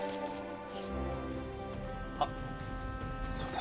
あっそうだ。